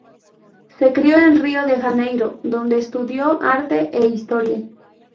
Se crió en Río de Janeiro donde estudió arte e historia.